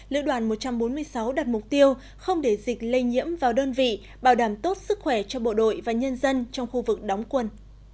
lữ đoàn một trăm bốn mươi sáu đặt mục tiêu không để dịch lây nhiễm vào đơn vị bảo đảm tốt sức khỏe cho bộ đội và nhân dân trong khu vực đóng quân